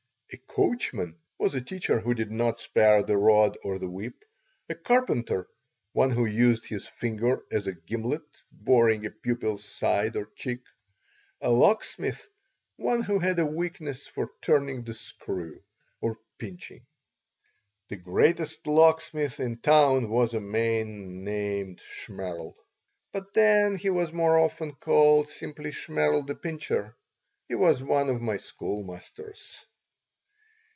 A "coachman" was a teacher who did not spare the rod or the whip; a "carpenter," one who used his finger as a gimlet, boring a pupil's side or cheek; a "locksmith," one who had a weakness for "turning the screw," or pinching The greatest "locksmith" in town was a man named Shmerl. But then he was more often called simply Shmerl the Pincher. He was one of my schoolmasters.